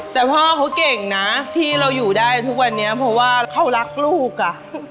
แต่พ่อเขาเก่งนะที่เราอยู่ได้ทุกวันนี้เพราะว่าเขารักลูกอ่ะ